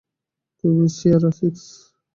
তুমি Sierra six.